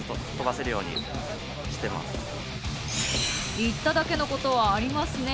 言っただけのことはありますね。